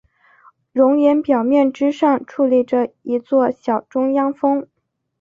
熔岩表面之上矗立着一座小中央峰。